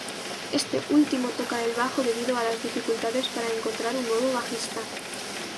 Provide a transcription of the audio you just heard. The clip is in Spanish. Este último toca el bajo debido a las dificultades para encontrar un nuevo bajista.